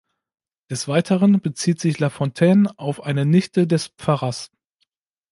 Des Weiteren bezieht sich La Fontaine auf eine Nichte des Pfarrers.